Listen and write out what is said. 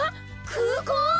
空港？